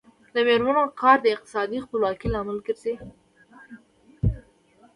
د میرمنو کار د اقتصادي خپلواکۍ لامل ګرځي.